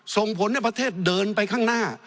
ส่งผลให้ประเทศเดินไปข้างหน้า